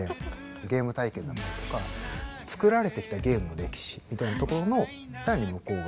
ゲーム体験だったりとかつくられてきたゲームの歴史みたいなところの更に向こう側。